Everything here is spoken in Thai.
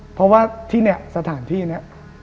เพราะว่าที่เนี่ยสถานที่นี้